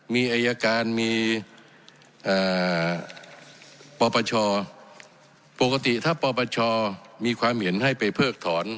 มีอายการมีปปชปกติถ้าปปชมีความเห็นให้ไปเพิกถอน